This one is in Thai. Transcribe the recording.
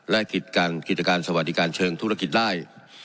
และกิจการสวัสดิการเชิงธุรกิจได้